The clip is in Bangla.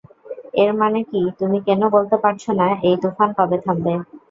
এর মানে কি তুমি কেন বলতে পারছ না এই তুফান কবে থামবে?